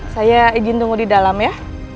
saya izin tunggu di dalam ya